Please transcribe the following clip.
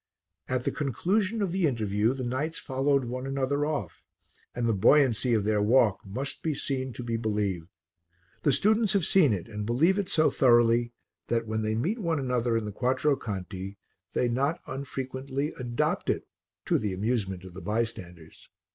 At the conclusion of the interview the knights followed one another off; and the buoyancy of their walk must be seen to be believed. The students have seen it and believe it so thoroughly that, when they meet one another in the Quattro Canti, they not unfrequently adopt it to the amusement of the bystanders.